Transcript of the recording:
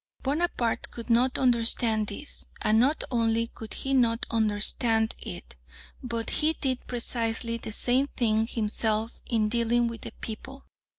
Bonaparte could not understand this, and not only could he not understand it, but he did precisely the same thing himself in dealing with the people.